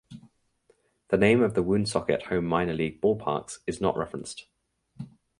The name of the Woonsocket home minor league ballpark(s) is not referenced.